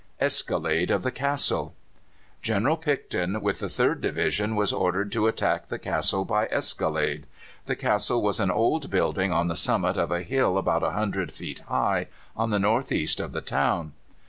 ESCALADE OF THE CASTLE. General Picton with the Third Division was ordered to attack the castle by escalade. The castle was an old building on the summit of a hill about 100 feet high, on the north east of the town.